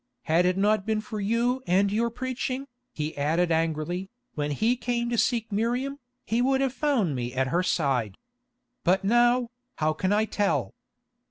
Had it not been for you and your preaching," he added angrily, "when he came to seek Miriam, he would have found me at her side. But now, how can I tell?"